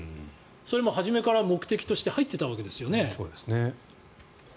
それも初めから目的として入っていたわけですよね。